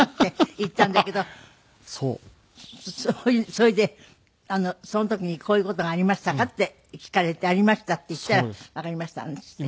それでその時に「こういう事がありましたか？」って聞かれて「ありました」って言ったら「わかりました」なんて言って。